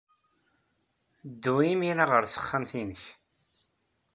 Ddu imir-a ɣer texxamt-nnek!